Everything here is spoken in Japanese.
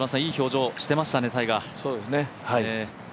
いい表情していましたね、タイガー。